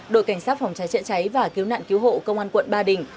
đội cảnh sát phòng cháy chữa cháy và cứu nạn cứu hộ công an quận ba đình